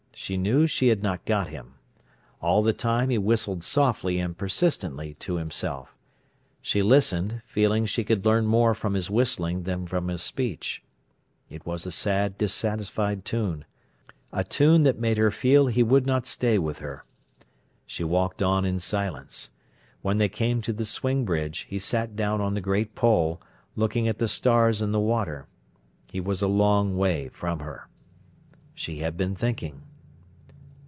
She knew she had not got him. All the time he whistled softly and persistently to himself. She listened, feeling she could learn more from his whistling than from his speech. It was a sad dissatisfied tune—a tune that made her feel he would not stay with her. She walked on in silence. When they came to the swing bridge he sat down on the great pole, looking at the stars in the water. He was a long way from her. She had been thinking.